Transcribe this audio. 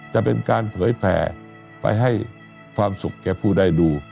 จะเป็นการเผยแผ่ไปให้ความสุขแก่ผู้ได้ดู